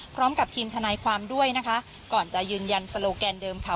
พร้อมกับทีมทนายความด้วยนะคะก่อนจะยืนยันโลแกนเดิมค่ะ